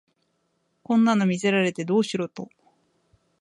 こんなの見せられてどうしろと